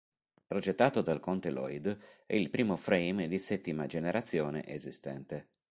Progettato dal conte Lloyd, è il primo Frame di settima generazione esistente.